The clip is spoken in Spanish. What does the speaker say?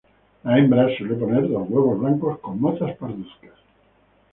La hembra suele poner dos huevos blancos con motas parduzcas.